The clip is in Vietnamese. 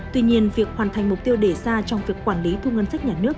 tuy nhiên việc hoàn thành mục tiêu đề ra trong việc quản lý thu ngân sách nhà nước